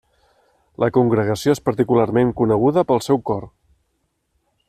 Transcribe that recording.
La congregació és particularment coneguda pel seu cor.